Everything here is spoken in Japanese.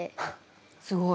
すごい。